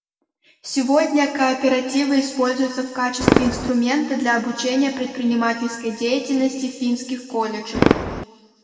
Сегодня кооперативы используются в качестве инструмента для обучения предпринимательской деятельности в финских колледжах.